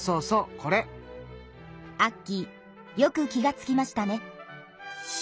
アッキーよく気がつきましたね。